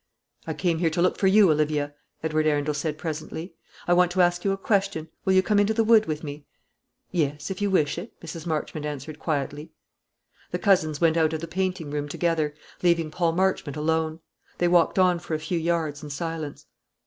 "I came here to look for you, Olivia," Edward Arundel said presently. "I want to ask you a question. Will you come into the wood with me?" "Yes, if you wish it," Mrs. Marchmont answered quietly. The cousins went out of the painting room together, leaving Paul Marchmont alone. They walked on for a few yards in silence.